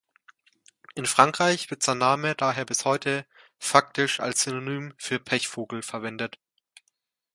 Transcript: In Frankreich wird sein Name daher bis heute faktisch als Synonym für „Pechvogel“ verwendet.